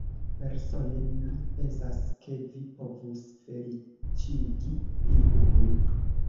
Persone mi pensas, ke vi povus feliĉigi iun.